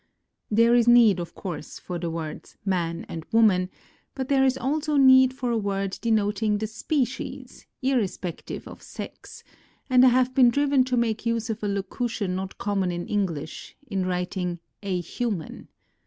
There is need, of course, for the words man and woman, but there is also need for a word denoting the species, irrespective of sex, and I have been driven to make use of a locution not common in English, in writing "a human."